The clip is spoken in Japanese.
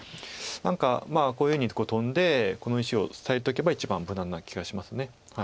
何かこういうふうにトンでこの石を裂いとけば一番無難な気がします。